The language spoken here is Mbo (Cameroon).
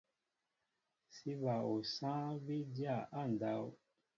Sí bal osááŋ bí dya á ndáw.